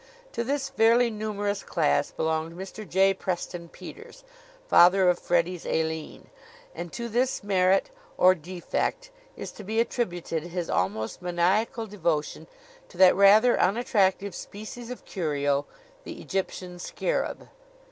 To this fairly numerous class belonged Mr. J. Preston Peters, father of Freddie's Aline. And to this merit or defect is to be attributed his almost maniacal devotion to that rather unattractive species of curio, the Egyptian scarab.